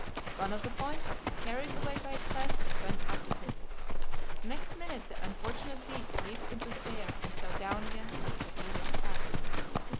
One of the pointers, carried away by excitement, went up to him. Next minute the unfortunate beast leaped into the air, and fell down again completely ripped up.